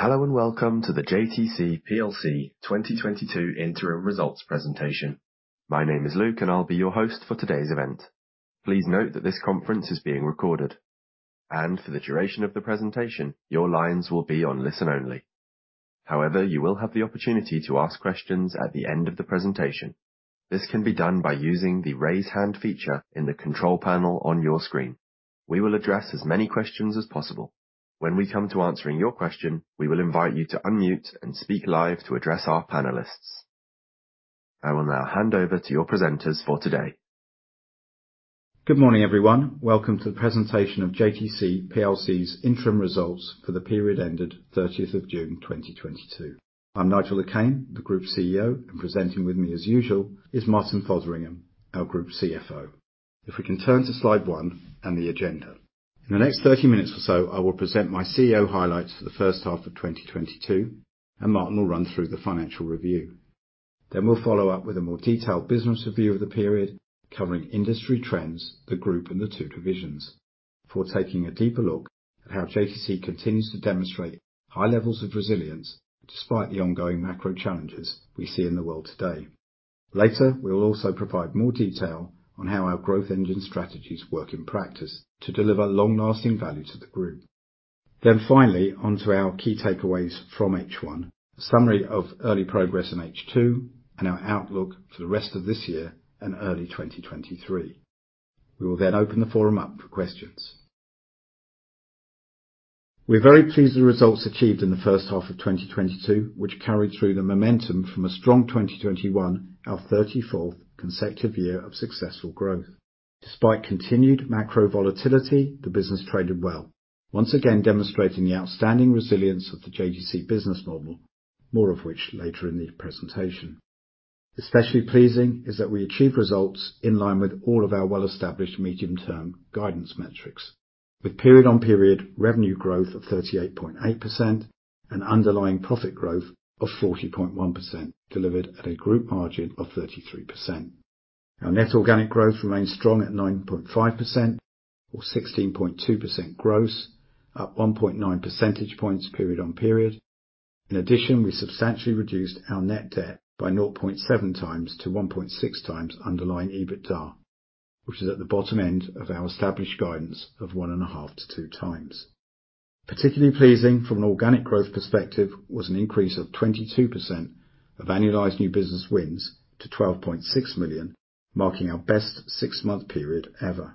Hello and welcome to the JTC PLC 2022 Interim Results Presentation. My name is Luke, and I'll be your host for today's event. Please note that this conference is being recorded, and for the duration of the presentation, your lines will be on listen-only. However, you will have the opportunity to ask questions at the end of the presentation. This can be done by using the raise hand feature in the control panel on your screen. We will address as many questions as possible. When we come to answering your question, we will invite you to unmute and speak live to address our panelists. I will now hand over to your presenters for today. Good morning, everyone. Welcome to the presentation of JTC PLC's Interim Results for the Period Ended 30th of June 2022. I'm Nigel Le Quesne, the Group CEO, and presenting with me as usual is Martin Fotheringham, our Group CFO. If we can turn to slide one and the agenda. In the next 30 minutes or so, I will present my CEO highlights for the first half of 2022, and Martin will run through the financial review. Then we'll follow up with a more detailed business review of the period covering industry trends, the group, and the two divisions, before taking a deeper look at how JTC continues to demonstrate high levels of resilience despite the ongoing macro challenges we see in the world today. Later, we will also provide more detail on how our growth engine strategies work in practice to deliver long-lasting value to the group. Finally, onto our key takeaways from H1, a summary of early progress in H2, and our outlook for the rest of this year and early 2023. We will then open the forum up for questions. We're very pleased with the results achieved in the first half of 2022, which carried through the momentum from a strong 2021, our 34th consecutive year of successful growth. Despite continued macro volatility, the business traded well, once again demonstrating the outstanding resilience of the JTC business model, more of which later in the presentation. Especially pleasing is that we achieved results in line with all of our well-established medium-term guidance metrics. With period-on-period revenue growth of 38.8% and underlying profit growth of 40.1% delivered at a group margin of 33%. Our net organic growth remains strong at 9.5% or 16.2% growth, up 1.9 percentage points period-on-period. In addition, we substantially reduced our net debt by 0.7x-1.6x underlying EBITDA, which is at the bottom end of our established guidance of 1.5-2x. Particularly pleasing from an organic growth perspective was an increase of 22% of annualized new business wins to 12.6 million, marking our best six-month period ever.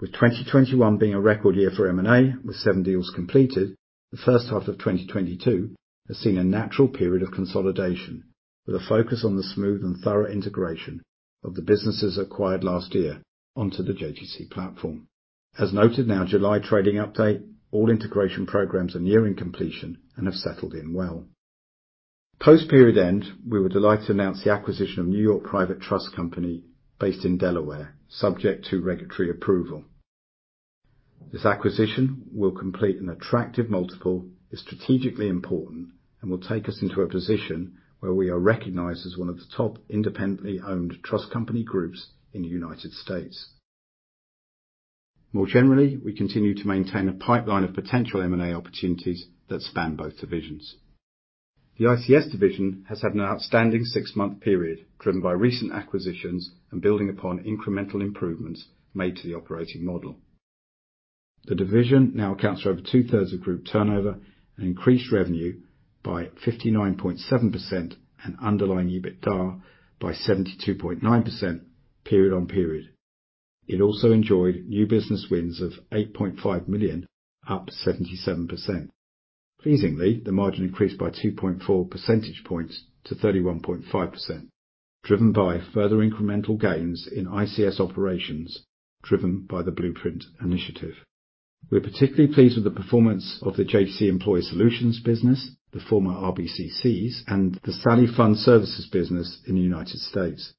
With 2021 being a record year for M&A, with seven deals completed, the first half of 2022 has seen a natural period of consolidation with a focus on the smooth and thorough integration of the businesses acquired last year onto the JTC platform. As noted in our July trading update, all integration programs are nearing completion and have settled in well. Post-period end, we were delighted to announce the acquisition of New York Private Trust Company based in Delaware, subject to regulatory approval. This acquisition will complete an attractive multiple, is strategically important, and will take us into a position where we are recognized as one of the top independently owned trust company groups in the United States. More generally, we continue to maintain a pipeline of potential M&A opportunities that span both divisions. The ICS division has had an outstanding six-month period driven by recent acquisitions and building upon incremental improvements made to the operating model. The division now accounts for over two-thirds of group turnover and increased revenue by 59.7% and underlying EBITDA by 72.9% period on period. It also enjoyed new business wins of 8.5 million, up 77%. Pleasingly, the margin increased by 2.4 percentage points to 31.5%, driven by further incremental gains in ICS operations driven by the Blueprint Initiative. We're particularly pleased with the performance of the JTC Employer Solutions business, the former RBC cees, and the SALI Fund Services business in the United States.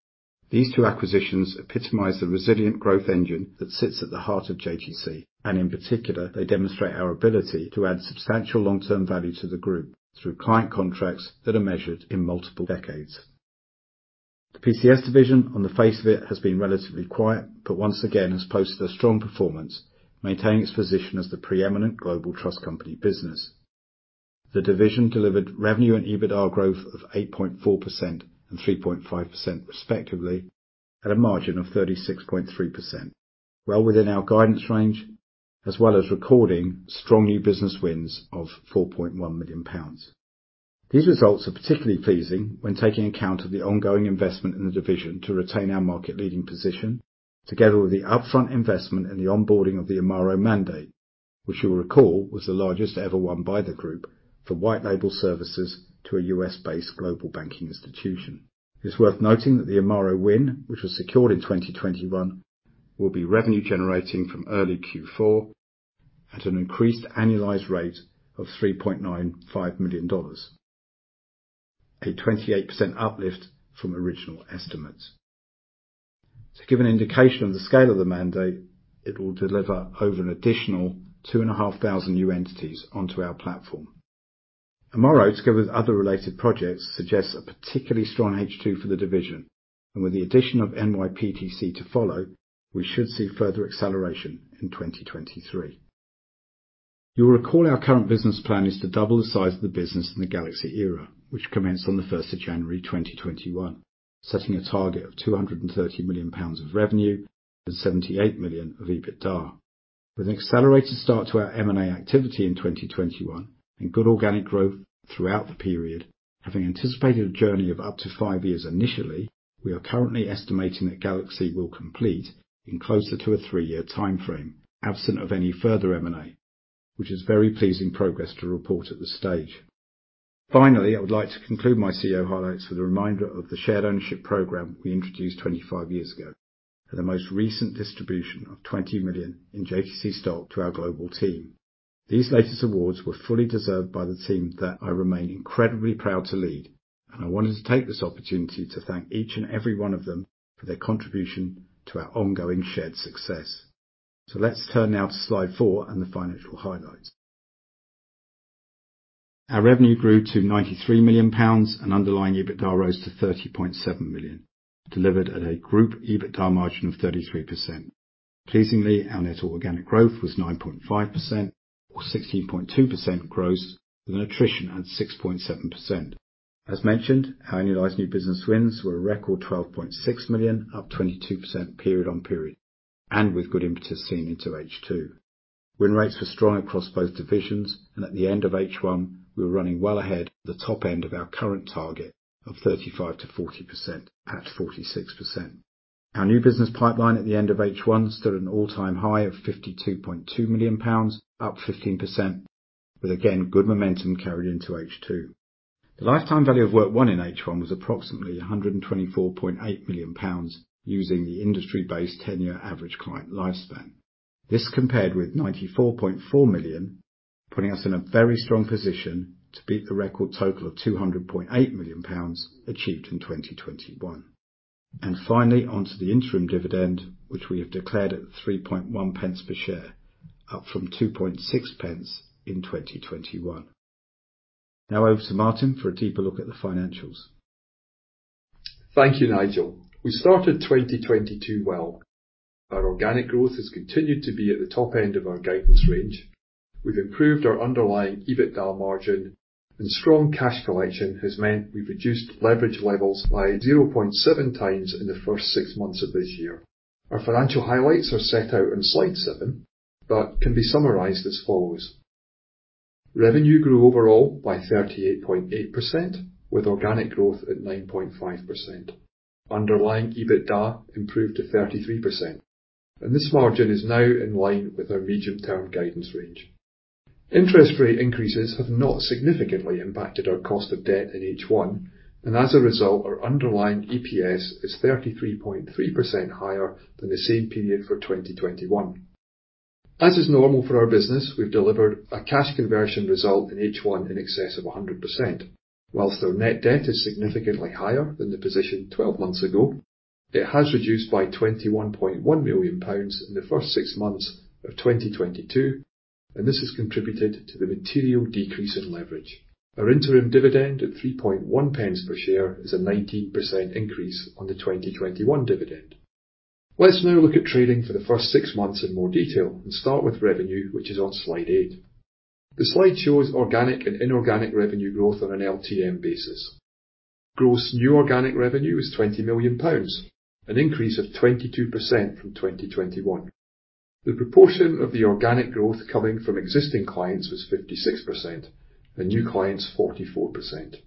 These two acquisitions epitomize the resilient growth engine that sits at the heart of JTC, and in particular, they demonstrate our ability to add substantial long-term value to the group through client contracts that are measured in multiple decades. The PCS division, on the face of it, has been relatively quiet, but once again has posted a strong performance, maintaining its position as the preeminent global trust company business. The division delivered revenue and EBITDA growth of 8.4% and 3.5%, respectively, at a margin of 36.3%. Well within our guidance range, as well as recording strong new business wins of 4.1 million pounds. These results are particularly pleasing when taking account of the ongoing investment in the division to retain our market leading position, together with the upfront investment in the onboarding of the Amaro mandate, which you'll recall was the largest ever won by the group for white label services to a US-based global banking institution. It's worth noting that the Amaro win, which was secured in 2021, will be revenue generating from early Q4 at an increased annualized rate of $3.95 million. A 28% uplift from original estimates. To give an indication of the scale of the mandate, it will deliver over an additional 2,500 new entities onto our platform. Amaro, together with other related projects, suggests a particularly strong H2 for the division. With the addition of NYPTC to follow, we should see further acceleration in 2023. You'll recall our current business plan is to double the size of the business in the Galaxy era, which commenced on the first of January 2021, setting a target of 230 million pounds of revenue and 78 million of EBITDA. With an accelerated start to our M&A activity in 2021 and good organic growth throughout the period, having anticipated a journey of up to five years initially, we are currently estimating that Galaxy will complete in closer to a three-year timeframe, absent of any further M&A, which is very pleasing progress to report at this stage. Finally, I would like to conclude my CEO highlights with a reminder of the shared ownership program we introduced 25 years ago, and the most recent distribution of 20 million in JTC stock to our global team. These latest awards were fully deserved by the team that I remain incredibly proud to lead, and I wanted to take this opportunity to thank each and every one of them for their contribution to our ongoing shared success. Let's turn now to slide four and the financial highlights. Our revenue grew to GBP 93 million, and underlying EBITDA rose to GBP 30.7 million, delivered at a group EBITDA margin of 33%. Pleasingly, our net organic growth was 9.5% or 16.2% gross, with an attrition at 6.7%. As mentioned, our annualized new business wins were a record 12.6 million, up 22% period-on-period, and with good impetus seen into H2. Win rates were strong across both divisions, and at the end of H1, we were running well ahead at the top end of our current target of 35%-40% at 46%. Our new business pipeline at the end of H1 stood at an all-time high of 52.2 million pounds, up 15%, with again good momentum carried into H2. The lifetime value of work won in H1 was approximately GBP 124.8 million using the industry-based ten-year average client lifespan. This compared with GBP 94.4 million, putting us in a very strong position to beat the record total of GBP 200.8 million achieved in 2021. Finally, onto the interim dividend, which we have declared at 3.1 pence per share, up from 2.6 pence in 2021. Now over to Martin for a deeper look at the financials. Thank you, Nigel. We started 2022 well. Our organic growth has continued to be at the top end of our guidance range. We've improved our underlying EBITDA margin, and strong cash collection has meant we've reduced leverage levels by 0.7x in the first six months of this year. Our financial highlights are set out in slide 7, but can be summarized as follows. Revenue grew overall by 38.8% with organic growth at 9.5%. Underlying EBITDA improved to 33%, and this margin is now in line with our medium-term guidance range. Interest rate increases have not significantly impacted our cost of debt in H1, and as a result, our underlying EPS is 33.3% higher than the same period for 2021. As is normal for our business, we've delivered a cash conversion result in H1 in excess of 100%. While our net debt is significantly higher than the position twelve months ago, it has reduced by 21.1 million pounds in the first six months of 2022, and this has contributed to the material decrease in leverage. Our interim dividend at 3.1 pence per share is a 19% increase on the 2021 dividend. Let's now look at trading for the first six months in more detail and start with revenue, which is on slide eight. The slide shows organic and inorganic revenue growth on an LTM basis. Gross new organic revenue is 20 million pounds, an increase of 22% from 2021. The proportion of the organic growth coming from existing clients was 56% and new clients 44%.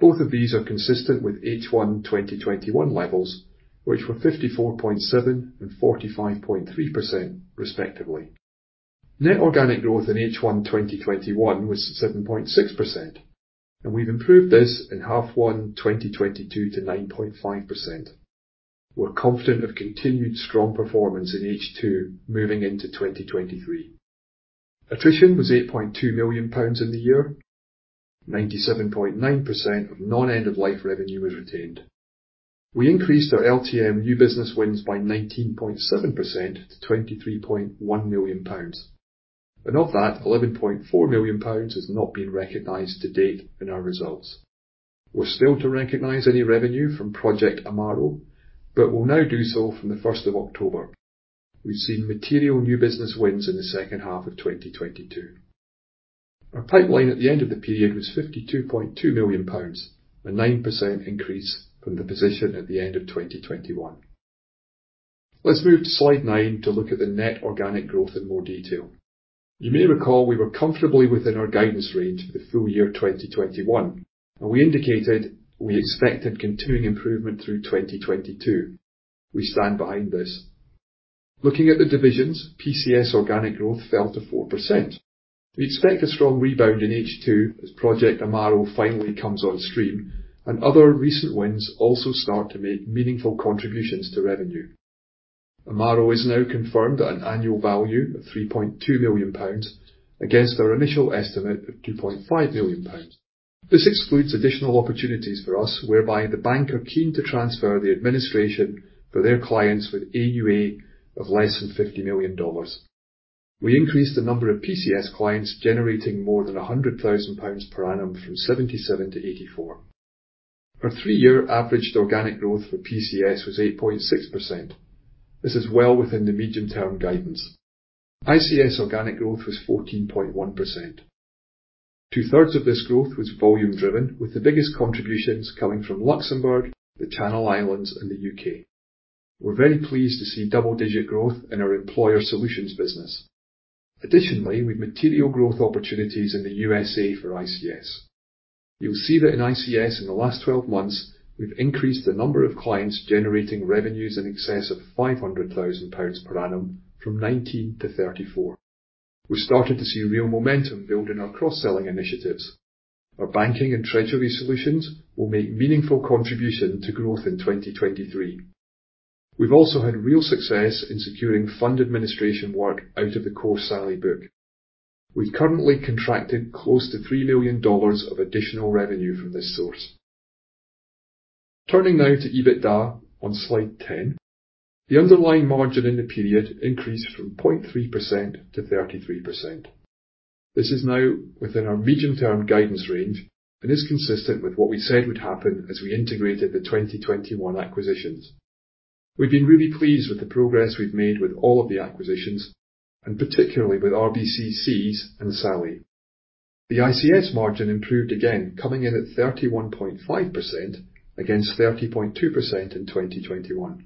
Both of these are consistent with H1 2021 levels, which were 54.7% and 45.3% respectively. Net organic growth in H1 2021 was 7.6%, and we've improved this in H1 2022 to 9.5%. We're confident of continued strong performance in H2 moving into 2023. Attrition was GBP 8.2 million in the year. 97.9% of non-end of life revenue was retained. We increased our LTM new business wins by 19.7% to 23.1 million pounds. Of that, 11.4 million pounds has not been recognized to date in our results. We're still to recognize any revenue from Project Amaro, but will now do so from the first of October. We've seen material new business wins in the second half of 2022. Our pipeline at the end of the period was 52.2 million pounds, a 9% increase from the position at the end of 2021. Let's move to slide nine to look at the net organic growth in more detail. You may recall we were comfortably within our guidance range for the full year 2021, and we indicated we expected continuing improvement through 2022. We stand behind this. Looking at the divisions, PCS organic growth fell to 4%. We expect a strong rebound in H2 as Project Amaro finally comes on stream and other recent wins also start to make meaningful contributions to revenue. Amaro has now confirmed an annual value of 3.2 million pounds against our initial estimate of 2.5 million pounds. This excludes additional opportunities for us whereby the bank are keen to transfer the administration for their clients with AUA of less than $50 million. We increased the number of PCS clients generating more than 100,000 pounds per annum from 77-84. Our three-year averaged organic growth for PCS was 8.6%. This is well within the medium-term guidance. ICS organic growth was 14.1%. 2/3 of this growth was volume-driven, with the biggest contributions coming from Luxembourg, the Channel Islands, and the UK. We're very pleased to see double-digit growth in our employer solutions business. Additionally, with material growth opportunities in the USA for ICS. You'll see that in ICS in the last twelve months, we've increased the number of clients generating revenues in excess of 500,000 pounds per annum from 19-34. We're starting to see real momentum build in our cross-selling initiatives. Our banking and treasury solutions will make meaningful contribution to growth in 2023. We've also had real success in securing fund administration work out of the core SALI book. We've currently contracted close to $3 million of additional revenue from this source. Turning now to EBITDA on slide 10. The underlying margin in the period increased from 0.3%-33%. This is now within our medium-term guidance range and is consistent with what we said would happen as we integrated the 2021 acquisitions. We've been really pleased with the progress we've made with all of the acquisitions, and particularly with RBCCs and SALI. The ICS margin improved again, coming in at 31.5% against 30.2% in 2021.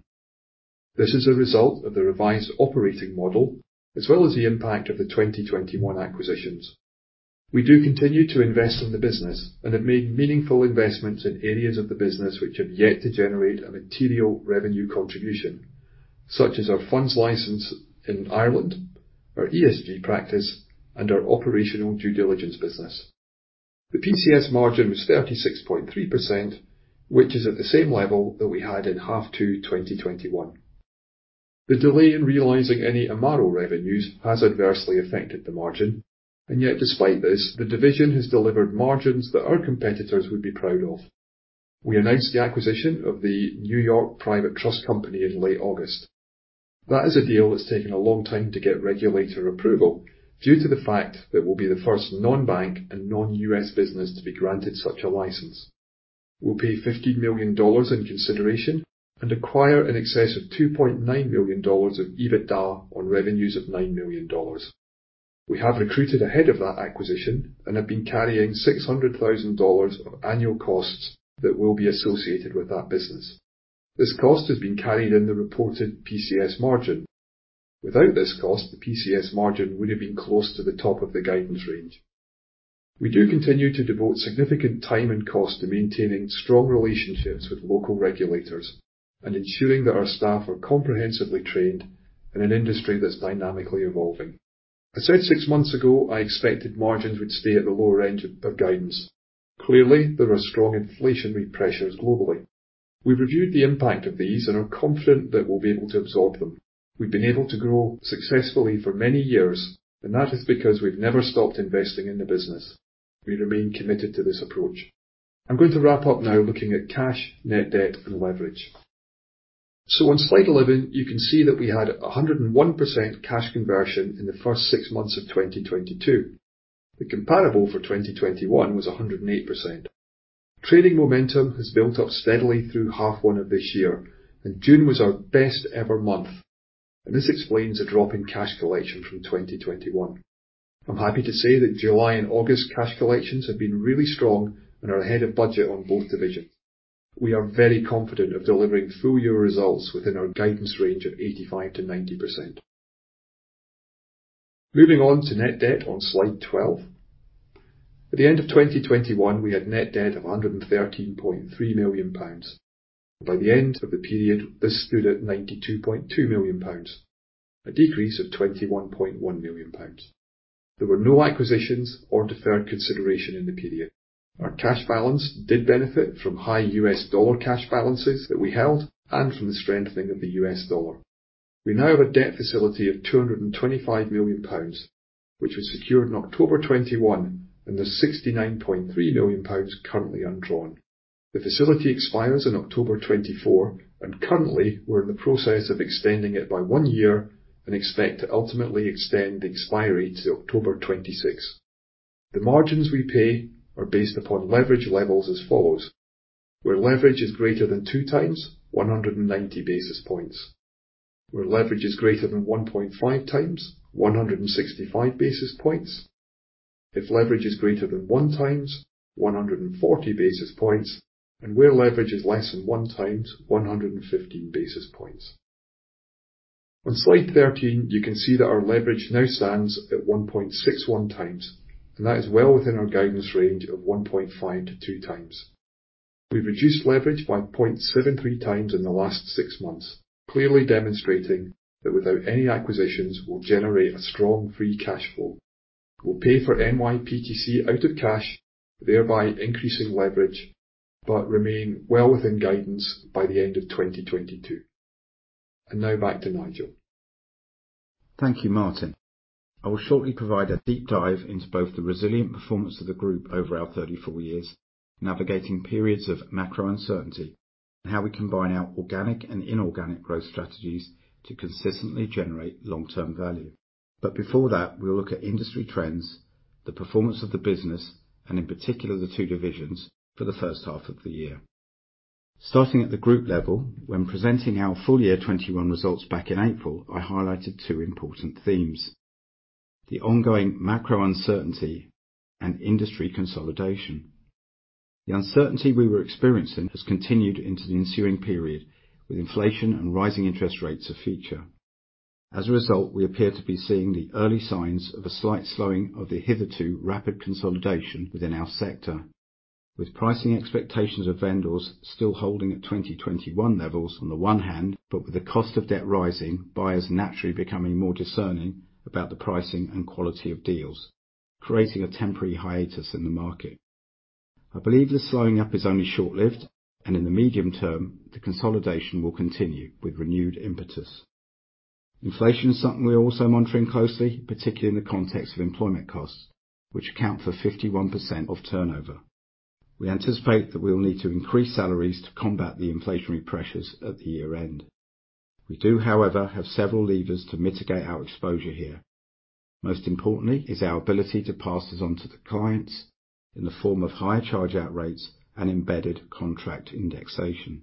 This is a result of the revised operating model, as well as the impact of the 2021 acquisitions. We do continue to invest in the business and have made meaningful investments in areas of the business which have yet to generate a material revenue contribution, such as our funds license in Ireland, our ESG practice, and our operational due diligence business. The PCS margin was 36.3%, which is at the same level that we had in H1 2021. The delay in realizing any Amaro revenues has adversely affected the margin, and yet despite this, the division has delivered margins that our competitors would be proud of. We announced the acquisition of the New York Private Trust Company in late August. That is a deal that's taken a long time to get regulator approval due to the fact that we'll be the first non-bank and non-US business to be granted such a license. We'll pay $50 million in consideration and acquire in excess of $2.9 million of EBITDA on revenues of $9 million. We have recruited ahead of that acquisition and have been carrying $600,000 of annual costs that will be associated with that business. This cost has been carried in the reported PCS margin. Without this cost, the PCS margin would have been close to the top of the guidance range. We do continue to devote significant time and cost to maintaining strong relationships with local regulators and ensuring that our staff are comprehensively trained in an industry that's dynamically evolving. I said six months ago, I expected margins would stay at the lower end of our guidance. Clearly, there are strong inflationary pressures globally. We've reviewed the impact of these and are confident that we'll be able to absorb them. We've been able to grow successfully for many years, and that is because we've never stopped investing in the business. We remain committed to this approach. I'm going to wrap up now looking at cash, net debt, and leverage. On slide 11, you can see that we had 101% cash conversion in the first six months of 2022. The comparable for 2021 was 108%. Trading momentum has built up steadily through half one of this year, and June was our best ever month, and this explains the drop in cash collection from 2021. I'm happy to say that July and August cash collections have been really strong and are ahead of budget on both divisions. We are very confident of delivering full-year results within our guidance range of 85%-90%. Moving on to net debt on slide 12. At the end of 2021, we had net debt of 113.3 million pounds. By the end of the period, this stood at 92.2 million pounds, a decrease of 21.1 million pounds. There were no acquisitions or deferred consideration in the period. Our cash balance did benefit from high US dollar cash balances that we held and from the strengthening of the US dollar. We now have a debt facility of 225 million pounds, which was secured in October 2021, and there's 69.3 million pounds currently undrawn. The facility expires in October 2024, and currently, we're in the process of extending it by one year and expect to ultimately extend the expiry to October 2026. The margins we pay are based upon leverage levels as follows. Where leverage is greater than 2x, 190 basis points. Where leverage is greater than 1.5x, 165 basis points. If leverage is greater than 1x, 140 basis points, and where leverage is less than 1x, 115 basis points. On slide 13, you can see that our leverage now stands at 1.61x, and that is well within our guidance range of 1.5x-2x. We've reduced leverage by 0.73 times in the last six months, clearly demonstrating that without any acquisitions, we'll generate a strong free cash flow. We'll pay for NYPTC out of cash, thereby increasing leverage, but remain well within guidance by the end of 2022. Now back to Nigel. Thank you, Martin. I will shortly provide a deep dive into both the resilient performance of the group over our 34 years, navigating periods of macro uncertainty. How we combine our organic and inorganic growth strategies to consistently generate long-term value. Before that, we'll look at industry trends, the performance of the business, and in particular, the two divisions for the first half of the year. Starting at the group level, when presenting our full year 2021 results back in April, I highlighted two important themes. The ongoing macro uncertainty and industry consolidation. The uncertainty we were experiencing has continued into the ensuing period, with inflation and rising interest rates a feature. As a result, we appear to be seeing the early signs of a slight slowing of the hitherto rapid consolidation within our sector, with pricing expectations of vendors still holding at 2021 levels on the one hand, but with the cost of debt rising, buyers naturally becoming more discerning about the pricing and quality of deals, creating a temporary hiatus in the market. I believe this slowing up is only short-lived, and in the medium term, the consolidation will continue with renewed impetus. Inflation is something we are also monitoring closely, particularly in the context of employment costs, which account for 51% of turnover. We anticipate that we will need to increase salaries to combat the inflationary pressures at the year-end. We do, however, have several levers to mitigate our exposure here. Most importantly is our ability to pass this on to the clients in the form of higher charge-out rates and embedded contract indexation.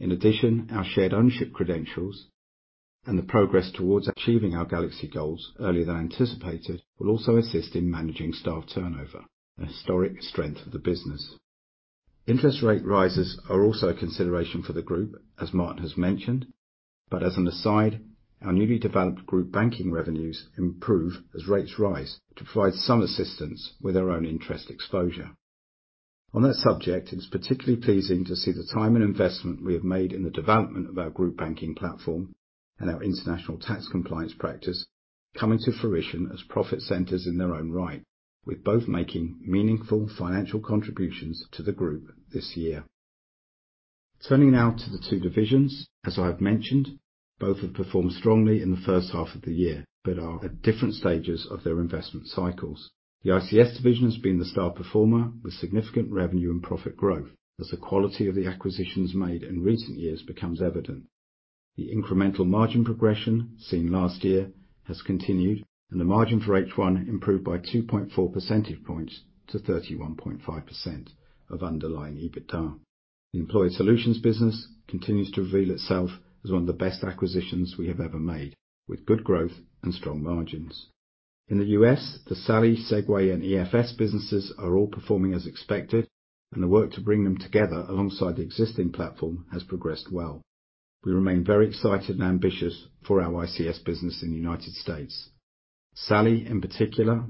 In addition, our shared ownership credentials and the progress towards achieving our Galaxy goals earlier than anticipated, will also assist in managing staff turnover, a historic strength of the business. Interest rate rises are also a consideration for the group, as Martin has mentioned. As an aside, our newly developed group banking revenues improve as rates rise to provide some assistance with our own interest exposure. On that subject, it is particularly pleasing to see the time and investment we have made in the development of our group banking platform and our international tax compliance practice coming to fruition as profit centers in their own right, with both making meaningful financial contributions to the group this year. Turning now to the two divisions, as I have mentioned, both have performed strongly in the first half of the year, but are at different stages of their investment cycles. The ICS division has been the star performer with significant revenue and profit growth as the quality of the acquisitions made in recent years becomes evident. The incremental margin progression seen last year has continued, and the margin for H1 improved by 2.4 percentage points to 31.5% of underlying EBITDA. The employee solutions business continues to reveal itself as one of the best acquisitions we have ever made, with good growth and strong margins. In the US, the SALI, Segue, and EFS businesses are all performing as expected, and the work to bring them together alongside the existing platform has progressed well. We remain very excited and ambitious for our ICS business in the United States. SALI, in particular,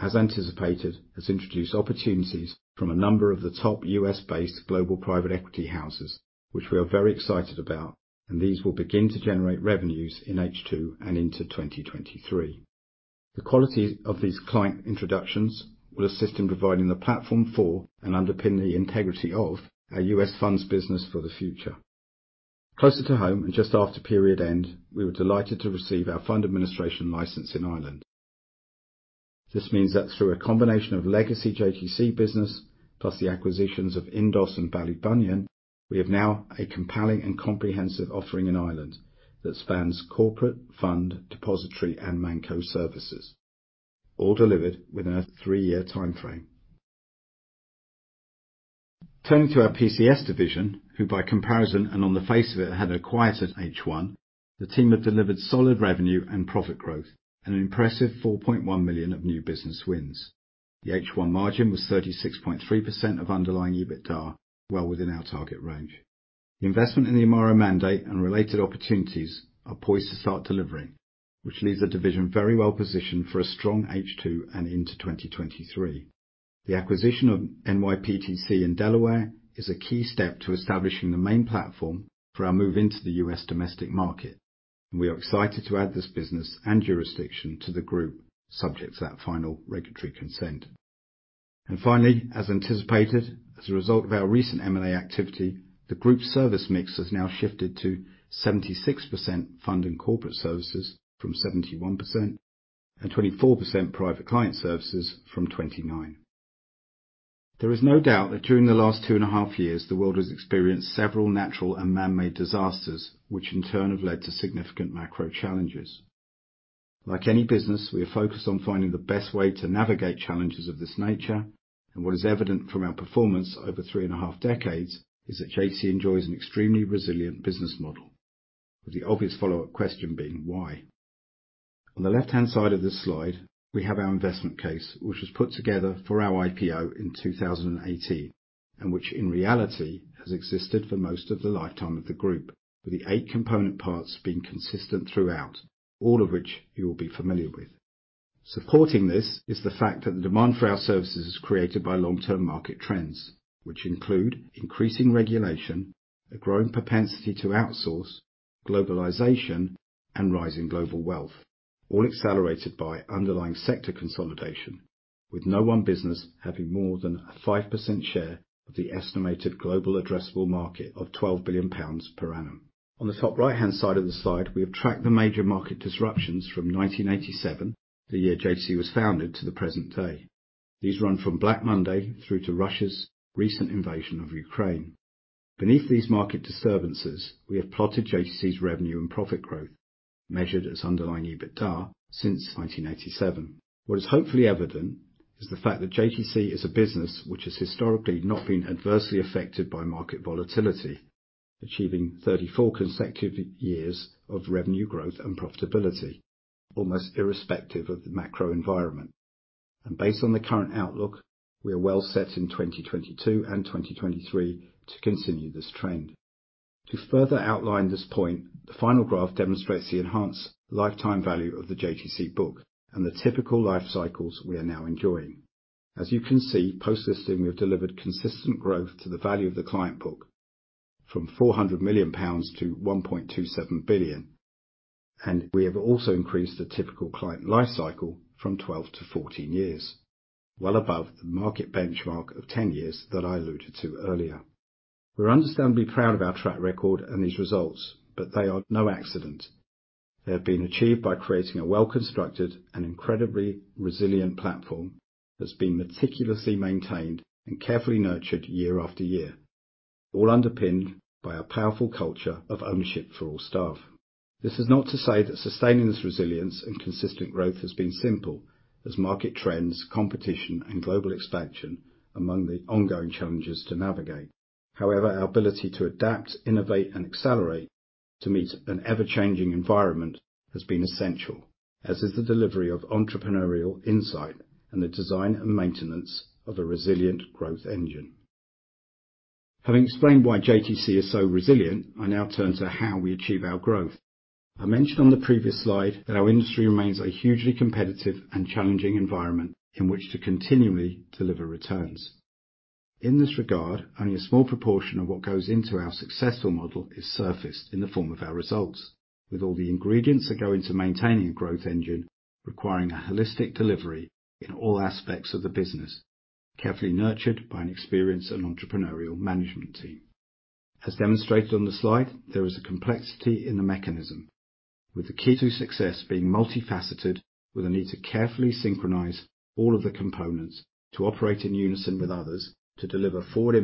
as anticipated, has introduced opportunities from a number of the top US-based global private equity houses, which we are very excited about, and these will begin to generate revenues in H2 and into 2023. The quality of these client introductions will assist in providing the platform for and underpin the integrity of our US funds business for the future. Closer to home and just after period end, we were delighted to receive our fund administration license in Ireland. This means that through a combination of legacy JTC business, plus the acquisitions of INDOS and Ballybunion, we have now a compelling and comprehensive offering in Ireland that spans corporate, fund, depository, and ManCo services, all delivered within a three-year timeframe. Turning to our PCS division, who by comparison and on the face of it, had acquired at H1, the team have delivered solid revenue and profit growth and an impressive 4.1 million of new business wins. The H1 margin was 36.3% of underlying EBITDA, well within our target range. The investment in the Amaro mandate and related opportunities are poised to start delivering, which leaves the division very well positioned for a strong H2 and into 2023. The acquisition of NYPTC in Delaware is a key step to establishing the main platform for our move into the US domestic market, and we are excited to add this business and jurisdiction to the group subject to that final regulatory consent. Finally, as anticipated, as a result of our recent M&A activity, the group service mix has now shifted to 76% fund and corporate services from 71% and 24% private client services from 29%. There is no doubt that during the last two and a half years, the world has experienced several natural and man-made disasters, which in turn have led to significant macro challenges. Like any business, we are focused on finding the best way to navigate challenges of this nature. What is evident from our performance over three and a half decades is that JTC enjoys an extremely resilient business model, with the obvious follow-up question being why. On the left-hand side of this slide, we have our investment case, which was put together for our IPO in 2018, and which in reality has existed for most of the lifetime of the group, with the eight component parts being consistent throughout, all of which you will be familiar with. Supporting this is the fact that the demand for our services is created by long-term market trends, which include increasing regulation, a growing propensity to outsource, globalization, and rising global wealth, all accelerated by underlying sector consolidation, with no one business having more than a 5% share of the estimated global addressable market of 12 billion pounds per annum. On the top right-hand side of the slide, we have tracked the major market disruptions from 1987, the year JTC was founded, to the present day. These run from Black Monday through to Russia's recent invasion of Ukraine. Beneath these market disturbances, we have plotted JTC's revenue and profit growth, measured as underlying EBITDA since 1987. What is hopefully evident is the fact that JTC is a business which has historically not been adversely affected by market volatility, achieving 34 consecutive years of revenue growth and profitability, almost irrespective of the macro environment. Based on the current outlook, we are well set in 2022 and 2023 to continue this trend. To further outline this point, the final graph demonstrates the enhanced lifetime value of the JTC book and the typical life cycles we are now enjoying. As you can see, post-listing, we have delivered consistent growth to the value of the client book from 400 million pounds to 1.27 billion, and we have also increased the typical client life cycle from 12-14 years, well above the market benchmark of 10 years that I alluded to earlier. We're understandably proud of our track record and these results, but they are no accident. They have been achieved by creating a well-constructed and incredibly resilient platform that's been meticulously maintained and carefully nurtured year-after-year, all underpinned by a powerful culture of ownership for all staff. This is not to say that sustaining this resilience and consistent growth has been simple, as market trends, competition, and global expansion among the ongoing challenges to navigate. However, our ability to adapt, innovate, and accelerate to meet an ever-changing environment has been essential, as is the delivery of entrepreneurial insight and the design and maintenance of the resilient growth engine. Having explained why JTC is so resilient, I now turn to how we achieve our growth. I mentioned on the previous slide that our industry remains a hugely competitive and challenging environment in which to continually deliver returns. In this regard, only a small proportion of what goes into our successful model is surfaced in the form of our results. With all the ingredients that go into maintaining a growth engine requiring a holistic delivery in all aspects of the business, carefully nurtured by an experienced and entrepreneurial management team. As demonstrated on the slide, there is a complexity in the mechanism, with the key to success being multifaceted, with a need to carefully synchronize all of the components to operate in unison with others to deliver forward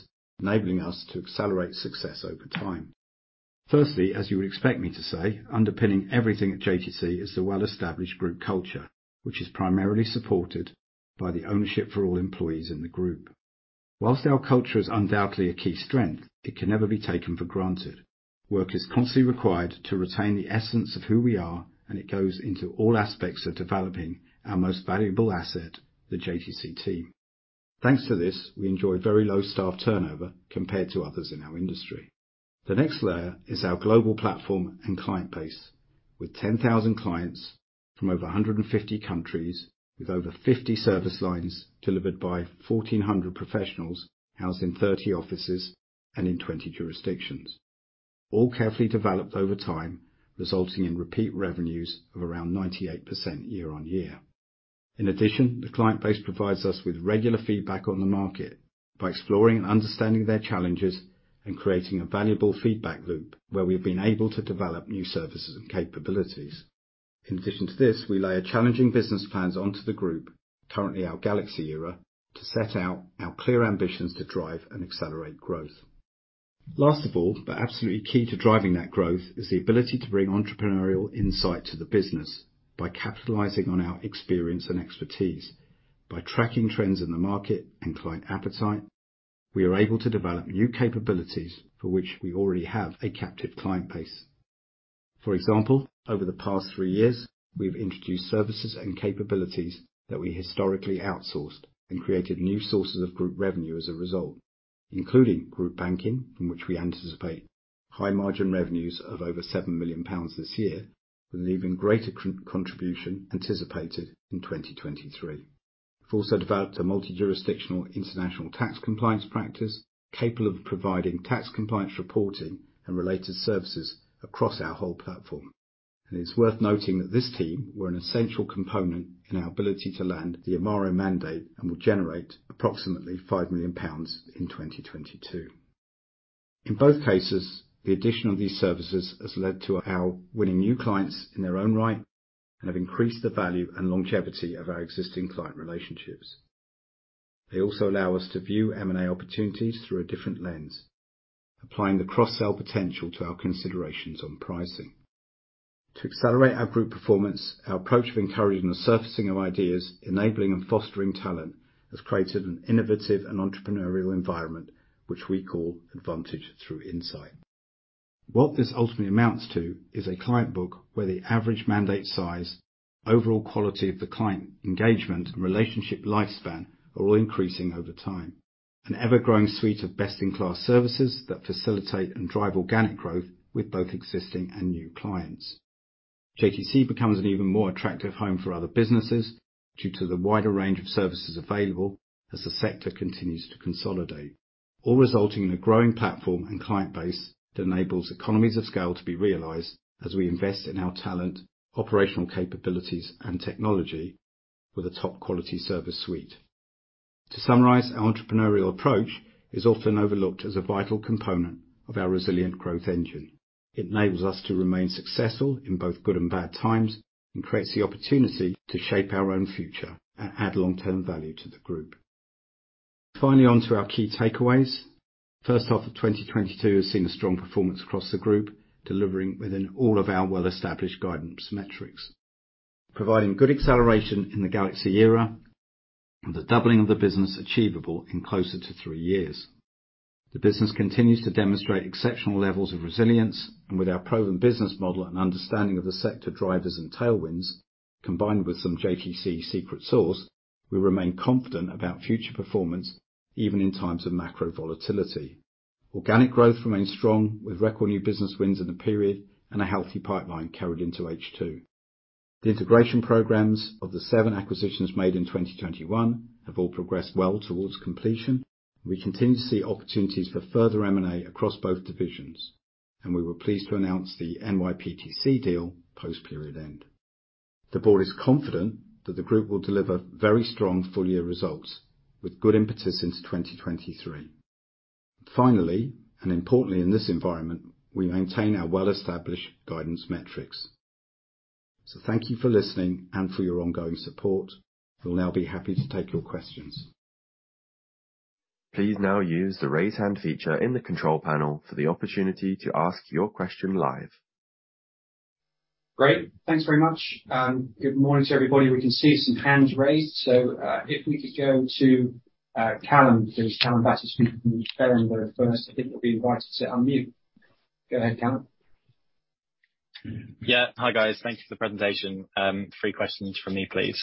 impetus enabling us to accelerate success over time. Firstly, as you would expect me to say, underpinning everything at JTC is the well-established group culture, which is primarily supported by the ownership for all employees in the group. While our culture is undoubtedly a key strength, it can never be taken for granted. Work is constantly required to retain the essence of who we are, and it goes into all aspects of developing our most valuable asset, the JTC team. Thanks to this, we enjoy very low staff turnover compared to others in our industry. The next layer is our global platform and client base with 10,000 clients from over 150 countries, with over 50 service lines delivered by 1,400 professionals, housed in 30 offices and in 20 jurisdictions, all carefully developed over time, resulting in repeat revenues of around 98% year-over-year. In addition, the client base provides us with regular feedback on the market by exploring and understanding their challenges and creating a valuable feedback loop where we've been able to develop new services and capabilities. In addition to this, we layer challenging business plans onto the group, currently our Galaxy era, to set out our clear ambitions to drive and accelerate growth. Last of all, but absolutely key to driving that growth is the ability to bring entrepreneurial insight to the business by capitalizing on our experience and expertise. By tracking trends in the market and client appetite, we are able to develop new capabilities for which we already have a captive client base. For example, over the past three years, we've introduced services and capabilities that we historically outsourced and created new sources of group revenue as a result, including group banking, from which we anticipate high margin revenues of over 7 million pounds this year, with even greater contribution anticipated in 2023. We've also developed a multi-jurisdictional international tax compliance practice capable of providing tax compliance reporting and related services across our whole platform. It's worth noting that this team were an essential component in our ability to land the Amaro mandate and will generate approximately 5 million pounds in 2022. In both cases, the addition of these services has led to our winning new clients in their own right and have increased the value and longevity of our existing client relationships. They also allow us to view M&A opportunities through a different lens, applying the cross-sell potential to our considerations on pricing. To accelerate our group performance, our approach of encouraging the surfacing of ideas, enabling and fostering talent, has created an innovative and entrepreneurial environment, which we call advantage through insight. What this ultimately amounts to is a client book where the average mandate size, overall quality of the client engagement, and relationship lifespan are all increasing over time. An ever-growing suite of best-in-class services that facilitate and drive organic growth with both existing and new clients. JTC becomes an even more attractive home for other businesses due to the wider range of services available as the sector continues to consolidate. All resulting in a growing platform and client base that enables economies of scale to be realized as we invest in our talent, operational capabilities, and technology with a top quality service suite. To summarize, our entrepreneurial approach is often overlooked as a vital component of our resilient growth engine. It enables us to remain successful in both good and bad times, and creates the opportunity to shape our own future and add long-term value to the group. Finally, onto our key takeaways. First half of 2022 has seen a strong performance across the group, delivering within all of our well-established guidance metrics. Providing good acceleration in the Galaxy era, and the doubling of the business achievable in closer to three years. The business continues to demonstrate exceptional levels of resilience, and with our proven business model and understanding of the sector drivers and tailwinds, combined with some JTC secret sauce, we remain confident about future performance, even in times of macro volatility. Organic growth remains strong, with record new business wins in the period, and a healthy pipeline carried into H2. The integration programs of the seven acquisitions made in 2021 have all progressed well towards completion. We continue to see opportunities for further M&A across both divisions, and we were pleased to announce the NYPTC deal post period-end. The board is confident that the group will deliver very strong full year results, with good impetus into 2023. Finally, and importantly in this environment, we maintain our well-established guidance metrics. Thank you for listening and for your ongoing support. We'll now be happy to take your questions. Please now use the Raise Hand feature in the control panel for the opportunity to ask your question live. Great. Thanks very much. Good morning to everybody. We can see some hands raised. If we could go to Calum first, Calum Battersby speaking from Berenberg first. I think you'll be invited to unmute. Go ahead, Calum. Yeah. Hi, guys. Thank you for the presentation. Three questions from me, please.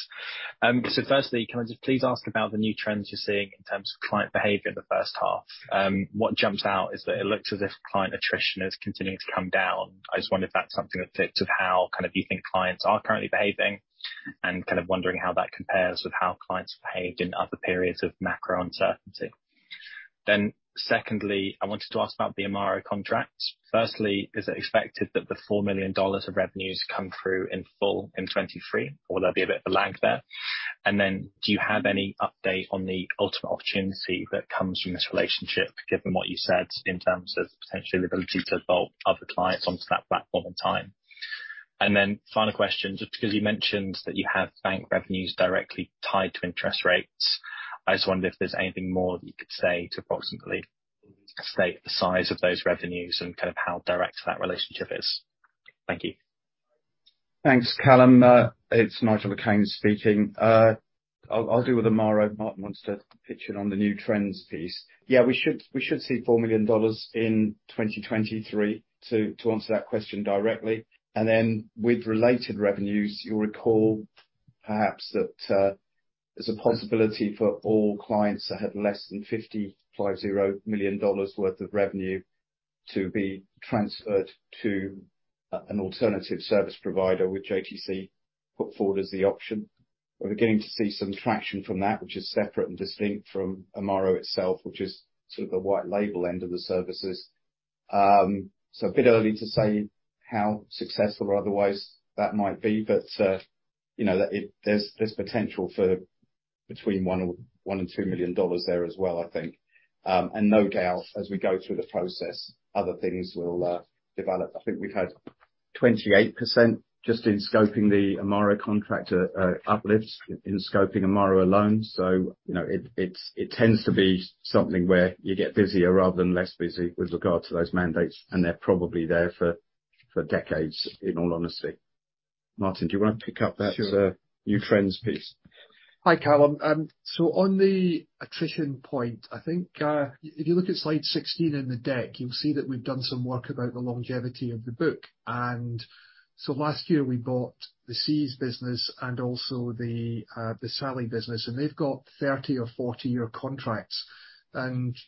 Firstly, can I just please ask about the new trends you're seeing in terms of client behavior in the first half? What jumps out is that it looks as if client attrition is continuing to come down. I just wonder if that's something that speaks of how kind of you think clients are currently behaving, and kind of wondering how that compares with how clients behaved in other periods of macro uncertainty. Secondly, I wanted to ask about the Amaro contract. Firstly, is it expected that the $4 million of revenues come through in full in 2023, or will there be a bit of a lag there? Do you have any update on the ultimate opportunity that comes from this relationship, given what you said in terms of potentially the ability to bolt other clients onto that platform in time? Final question, just because you mentioned that you have bank revenues directly tied to interest rates, I just wonder if there's anything more that you could say to approximately state the size of those revenues and kind of how direct that relationship is? Thank you. Thanks, Callum. It's Nigel speaking. I'll deal with Amaro. Martin wants to pitch in on the new trends piece. We should see $4 million in 2023, to answer that question directly. Then with related revenues, you'll recall perhaps that there's a possibility for all clients that have less than $50 million worth of revenue to be transferred to an alternative service provider which JTC put forward as the option. We're beginning to see some traction from that, which is separate and distinct from Amaro itself, which is sort of the white label end of the services. So a bit early to say how successful or otherwise that might be, but you know, there's potential for between $1 million and $2 million there as well, I think. No doubt, as we go through the process, other things will develop. I think we've had 28% just in scoping the Amaro contract, uplifts in scoping Amaro alone. You know, it's something where you get busier rather than less busy with regard to those mandates, and they're probably there for decades, in all honesty. Martin, do you wanna pick up that. Sure. New trends piece? Hi, Calum. On the attrition point, I think if you look at slide 16 in the deck, you'll see that we've done some work about the longevity of the book. Last year we bought the EFS business and also the SALI business, and they've got 30- or 40-year contracts.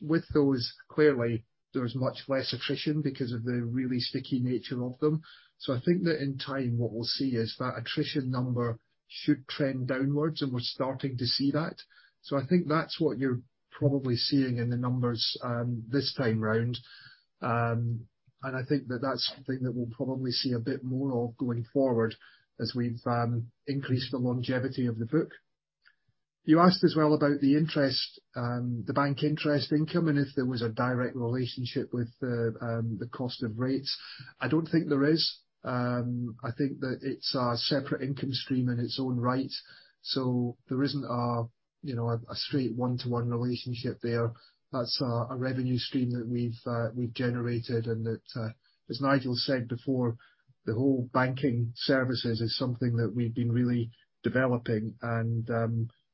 With those, clearly, there is much less attrition because of the really sticky nature of them. I think that in time what we'll see is that attrition number should trend downwards, and we're starting to see that. I think that's what you're probably seeing in the numbers this time round. I think that that's something that we'll probably see a bit more of going forward as we increase the longevity of the book. You asked as well about the interest, the bank interest income and if there was a direct relationship with the cost of rates. I don't think there is. I think that it's a separate income stream in its own right. There isn't a, you know, a straight one-to-one relationship there. That's a revenue stream that we've generated and that, as Nigel said before, the whole banking services is something that we've been really developing, and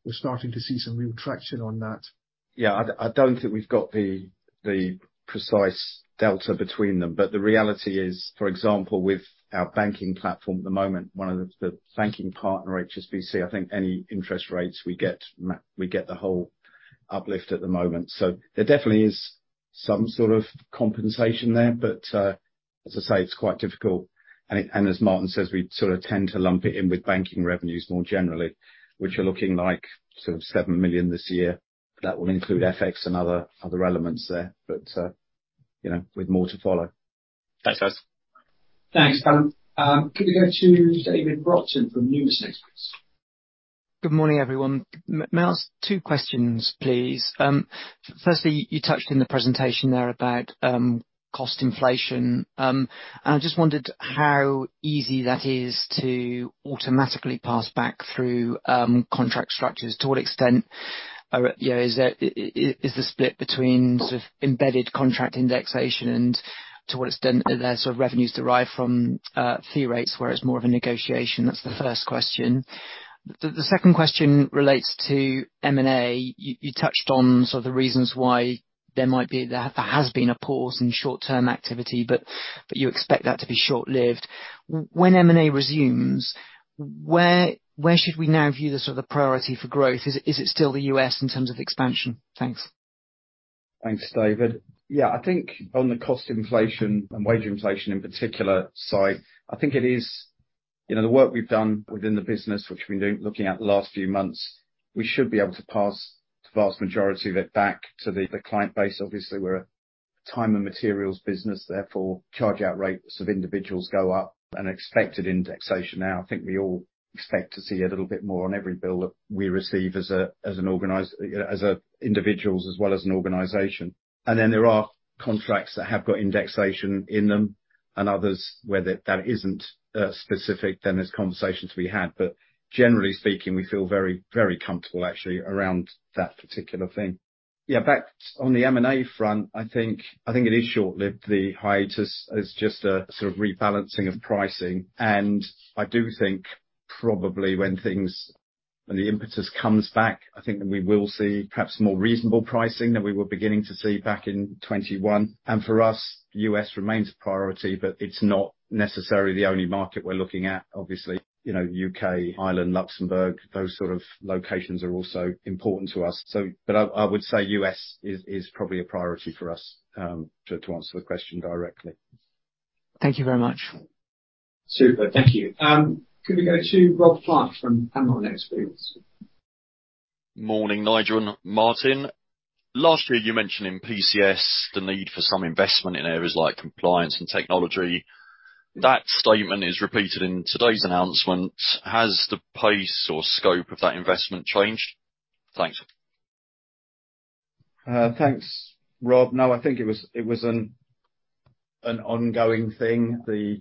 we're starting to see some real traction on that. Yeah. I don't think we've got the precise delta between them. The reality is, for example, with our banking platform at the moment, one of the banking partner, HSBC, I think any interest rates we get we get the whole uplift at the moment. There definitely is some sort of compensation there. As I say, it's quite difficult. As Martin says, we sort of tend to lump it in with banking revenues more generally, which are looking like sort of 7 million this year. That will include FX and other elements there, but you know, with more to follow. Thanks, guys. Thanks, Pam. Could we go to David Brockton from Numis Securities? Good morning, everyone. May I ask two questions, please. Firstly, you touched in the presentation there about cost inflation. I just wondered how easy that is to automatically pass back through contract structures. To what extent are you know is there the split between sort of embedded contract indexation and to what extent are there sort of revenues derived from fee rates where it's more of a negotiation? That's the first question. The second question relates to M&A. You touched on sort of the reasons why there has been a pause in short-term activity, but you expect that to be short-lived. When M&A resumes, where should we now view the sort of priority for growth? Is it still the US in terms of expansion? Thanks. Thanks, David. Yeah, I think on the cost inflation and wage inflation in particular side, I think it is. You know, the work we've done within the business, which we've been doing, looking at the last few months, we should be able to pass the vast majority of it back to the client base. Obviously, we're a time and materials business, therefore, charge-out rates of individuals go up an expected indexation now. I think we all expect to see a little bit more on every bill that we receive, you know, as individuals as well as an organization. Then there are contracts that have got indexation in them and others where that isn't specific, then there are conversations to be had, but generally speaking, we feel very, very comfortable actually around that particular thing. Yeah, back on the M&A front, I think it is short-lived. The hiatus is just a sort of rebalancing of pricing. I do think probably when the impetus comes back, I think we will see perhaps more reasonable pricing than we were beginning to see back in 2021. For us, US remains a priority, but it's not necessarily the only market we're looking at. Obviously, you know, U.K., Ireland, Luxembourg, those sort of locations are also important to us. But I would say US is probably a priority for us to answer the question directly. Thank you very much. Super, thank you. Could we go to Rob Flight from Panmure Gordon? Morning, Nigel and Martin. Last year you mentioned in PCS the need for some investment in areas like compliance and technology. That statement is repeated in today's announcement. Has the pace or scope of that investment changed? Thanks. Thanks, Rob. I think it was an ongoing thing.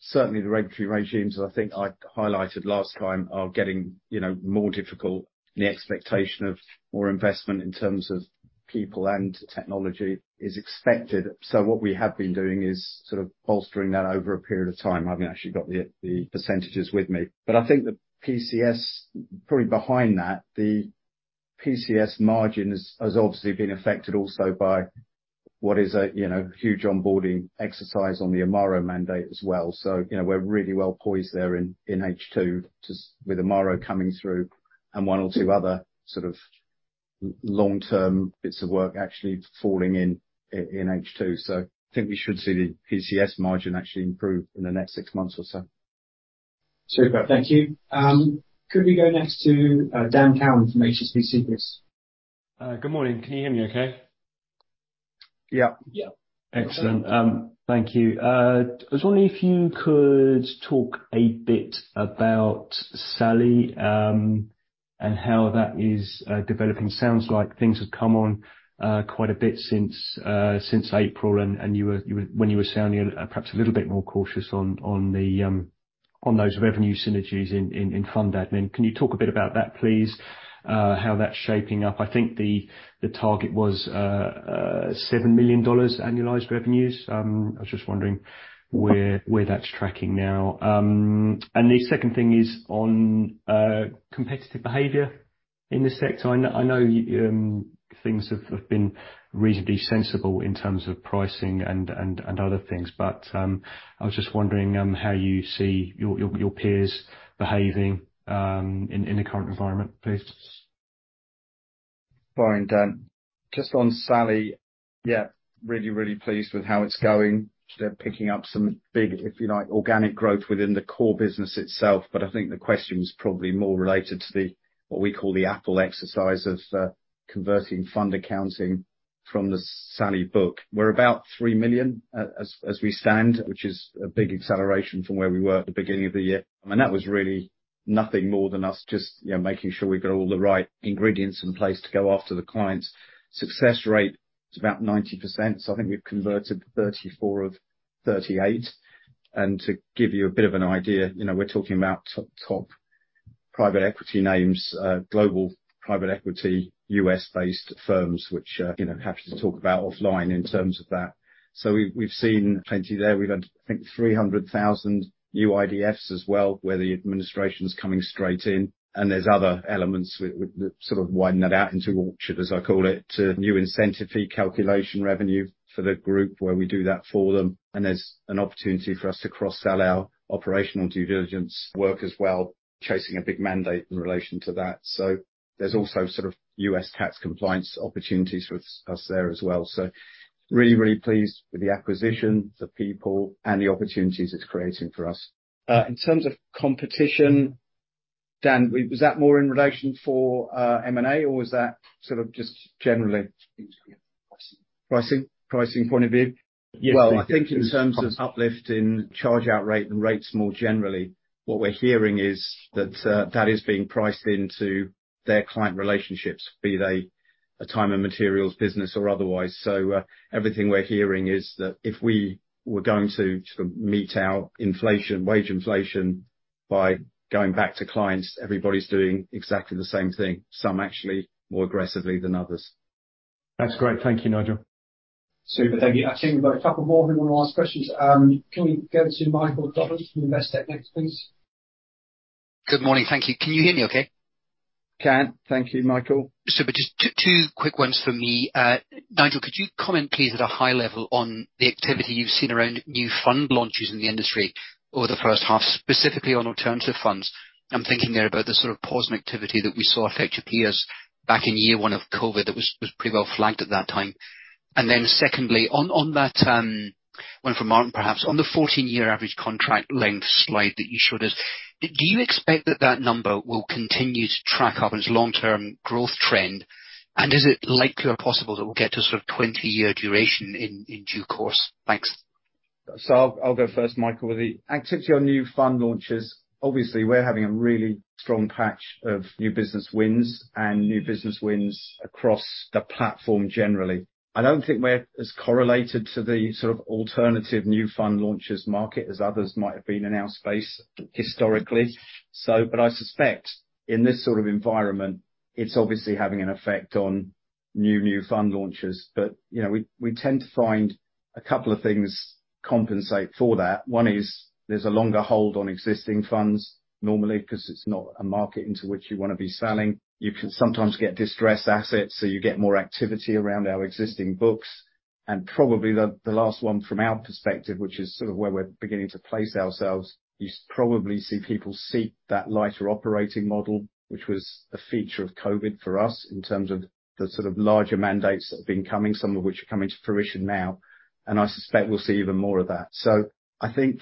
Certainly the regulatory regimes, I think I highlighted last time are getting, you know, more difficult. The expectation of more investment in terms of people and technology is expected. What we have been doing is sort of bolstering that over a period of time. I haven't actually got the percentages with me. I think the PCS probably behind that, the PCS margin has obviously been affected also by what is a, you know, huge onboarding exercise on the Amaro mandate as well. You know, we're really well poised there in H2 with Amaro coming through and one or two other sort of long-term bits of work actually falling in H2. I think we should see the PCS margin actually improve in the next six months or so. Superb. Thank you. Could we go next to Dan Cowan from HSBC, please? Good morning. Can you hear me okay? Yeah. Yeah. Excellent. Thank you. I was wondering if you could talk a bit about SALI and how that is developing. Sounds like things have come on quite a bit since April, and you were sounding perhaps a little bit more cautious on those revenue synergies in fund admin. Can you talk a bit about that, please? How that's shaping up. I think the target was $7 million annualized revenues. I was just wondering where that's tracking now. The second thing is on competitive behavior in this sector. I know things have been reasonably sensible in terms of pricing and other things, but I was just wondering how you see your peers behaving in the current environment, please. Fine, Dan. Just on SALI, yeah, really pleased with how it's going. They're picking up some big, if you like, organic growth within the core business itself. I think the question is probably more related to the, what we call the Apple exercise of converting fund accounting from the SALI book. We're about 3 million AUA, as we stand, which is a big acceleration from where we were at the beginning of the year. I mean, that was really nothing more than us, just, you know, making sure we've got all the right ingredients in place to go after the clients. Success rate is about 90%. I think we've converted 34 of 38. To give you a bit of an idea, you know, we're talking about T-top private equity names, global private equity US-based firms, which, you know, happy to talk about offline in terms of that. We've seen plenty there. We've had, I think, 300,000 new IDFs as well, where the administration's coming straight in, and there's other elements which sort of widen that out into orchard, as I call it, new incentive fee calculation revenue for the group where we do that for them. There's an opportunity for us to cross-sell our operational due diligence work as well, chasing a big mandate in relation to that. There's also sort of US tax compliance opportunities with us there as well. Really pleased with the acquisition, the people, and the opportunities it's creating for us. In terms of competition, Dan, was that more in relation to M&A, or was that sort of just generally? Pricing. Pricing? Pricing point of view? Yes. Well, I think in terms of uplift in charge-out rate and rates more generally, what we're hearing is that that is being priced into their client relationships, be they a time and materials business or otherwise. Everything we're hearing is that if we were going to meet our inflation, wage inflation by going back to clients, everybody's doing exactly the same thing, some actually more aggressively than others. That's great. Thank you, Nigel. Super. Thank you. I think we've got a couple more who wanna ask questions. Can we go to Michael Roberts from Investec next, please? Good morning. Thank you. Can you hear me okay? Thank you, Michael. Super. Just two quick ones for me. Nigel, could you comment, please, at a high level on the activity you've seen around new fund launches in the industry over the first half, specifically on alternative funds? I'm thinking there about the sort of pause in activity that we saw affect peers back in year one of COVID that was pretty well flagged at that time. Secondly, on that, one for Martin, perhaps, on the 14-year average contract length slide that you showed us, do you expect that number will continue to track up its long-term growth trend? Is it likely or possible that we'll get to sort of 20-year duration in due course? Thanks. I'll go 1st, Michael, with the activity on new fund launches. Obviously, we're having a really strong patch of new business wins and new business wins across the platform generally. I don't think we're as correlated to the sort of alternative new fund launches market as others might have been in our space historically. I suspect in this sort of environment, it's obviously having an effect on new fund launches. You know, we tend to find a couple of things compensate for that. One is there's a longer hold on existing funds normally 'cause it's not a market into which you wanna be selling. You can sometimes get distressed assets, so you get more activity around our existing books. Probably the last one from our perspective, which is sort of where we're beginning to place ourselves. Probably see people seek that lighter operating model, which was a feature of COVID for us in terms of the sort of larger mandates that have been coming, some of which are coming to fruition now. I suspect we'll see even more of that. I think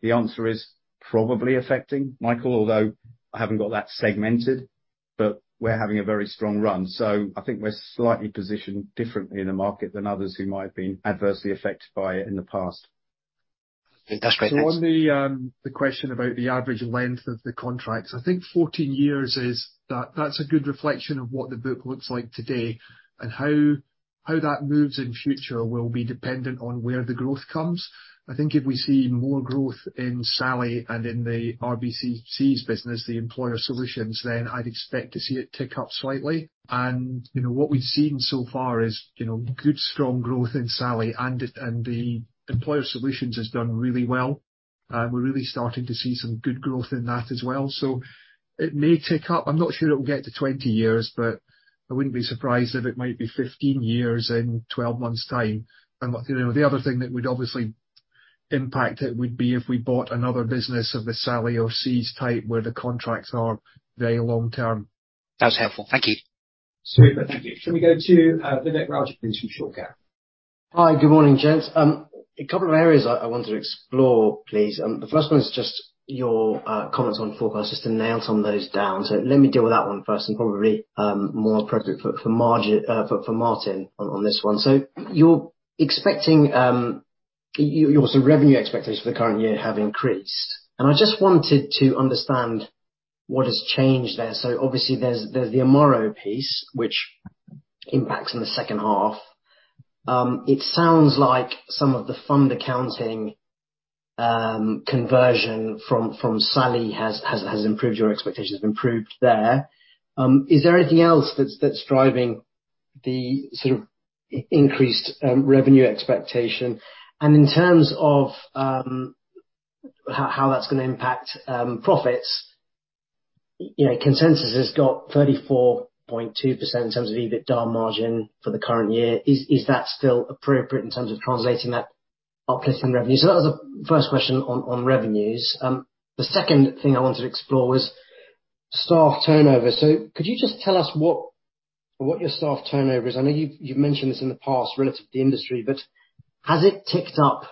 the answer is probably affecting, Michael, although I haven't got that segmented, but we're having a very strong run. I think we're slightly positioned differently in the market than others who might have been adversely affected by it in the past. That's great. Thanks. On the question about the average length of the contracts, I think 14 years is. That's a good reflection of what the book looks like today. How that moves in future will be dependent on where the growth comes. I think if we see more growth in SALI and in the RBC cees business, the employer solutions, then I'd expect to see it tick up slightly. You know, what we've seen so far is, you know, good strong growth in SALI and the employer solutions has done really well. We're really starting to see some good growth in that as well. It may tick up. I'm not sure it will get to 20 years, but I wouldn't be surprised if it might be 15 years in 12 months time. You know, the other thing that would obviously impact it would be if we bought another business of the SALI or RBC cees type, where the contracts are very long-term. That was helpful. Thank you. Super. Thank you. Can we go to, Vivek Raja, please, from Schroders? Hi. Good morning, gents. A couple of areas I want to explore, please. The first one is just your comments on forecasts to nail some of those down. Let me deal with that one first and probably more appropriate for Martin on this one. You're expecting your sort of revenue expectations for the current year have increased, and I just wanted to understand what has changed there. Obviously there's the Amaro piece, which impacts in the second half. It sounds like some of the fund accounting conversion from SALI has improved your expectations there. Is there anything else that's driving the sort of increased revenue expectation? In terms of how that's gonna impact profits, you know, consensus has got 34.2% in terms of EBITDA margin for the current year. Is that still appropriate in terms of translating that uplift in revenue? That was the 1st question on revenues. The 2nd thing I wanted to explore was staff turnover. Could you just tell us what your staff turnover is? I know you've mentioned this in the past relative to the industry, but has it ticked up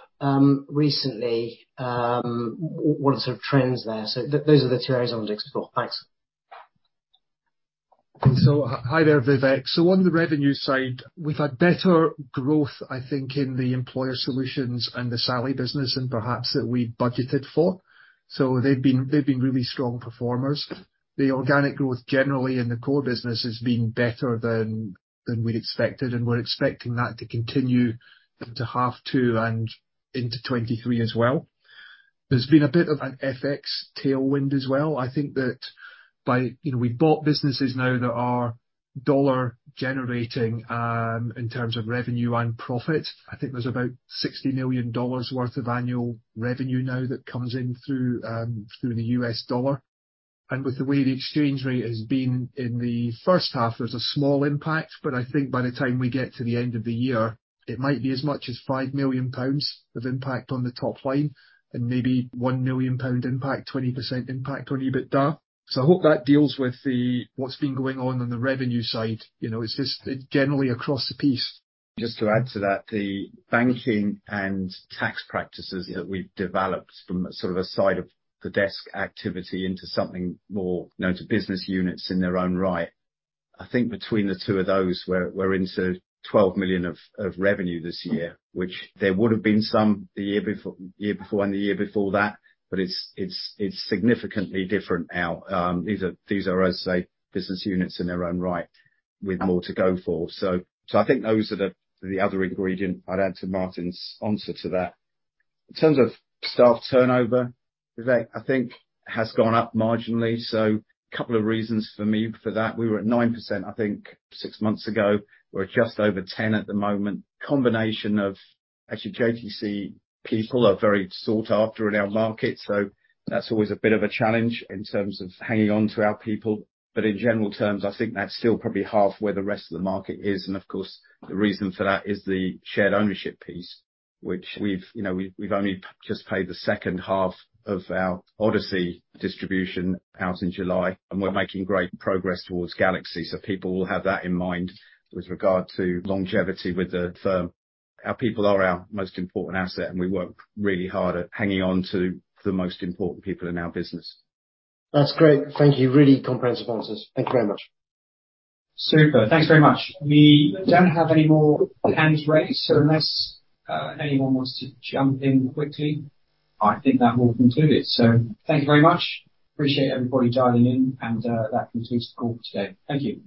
recently? What are sort of trends there? Those are the two areas I wanted to explore. Thanks. Hi there, Vivek. On the revenue side, we've had better growth, I think, in the employer solutions and the SALI business and perhaps that we budgeted for. They've been really strong performers. The organic growth generally in the core business has been better than we'd expected, and we're expecting that to continue into half two and into 2023 as well. There's been a bit of an FX tailwind as well. I think that you know, we bought businesses now that are dollar generating in terms of revenue and profit. I think there's about $60 million worth of annual revenue now that comes in through the US dollar. With the way the exchange rate has been in the first half, there's a small impact. I think by the time we get to the end of the year, it might be as much as 5 million pounds of impact on the top line and maybe 1 million pound impact, 20% impact on EBITDA. I hope that deals with the, what's been going on on the revenue side. You know, it's just, it generally across the piece. Just to add to that, the banking and tax practices that we've developed from sort of a side of the desk activity into something more, you know, to business units in their own right. I think between the two of those, we're into 12 million of revenue this year, which there would've been some the year before and the year before that. But it's significantly different now. These are, as I say, business units in their own right with more to go for. I think those are the other ingredient I'd add to Martin's answer to that. In terms of staff turnover, Vivek, I think has gone up marginally. Couple of reasons for me for that. We were at 9%, I think, six months ago. We're at just over 10% at the moment. Combination of... Actually, JTC people are very sought after in our market, so that's always a bit of a challenge in terms of hanging on to our people. In general terms, I think that's still probably half where the rest of the market is. Of course, the reason for that is the shared ownership piece, which we've, you know, only just paid the second half of our Odyssey distribution out in July, and we're making great progress towards Galaxy. People will have that in mind with regard to longevity with the firm. Our people are our most important asset, and we work really hard at hanging on to the most important people in our business. That's great. Thank you. Really comprehensive answers. Thank you very much. Super. Thanks very much. We don't have any more hands raised, so unless anyone wants to jump in quickly, I think that will conclude it. Thank you very much. Appreciate everybody dialing in and that concludes the call today. Thank you.